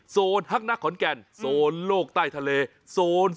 สุดยอดน้ำมันเครื่องจากญี่ปุ่น